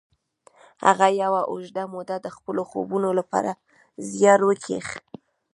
هغه یوه اوږده موده د خپلو خوبونو لپاره زیار وکیښ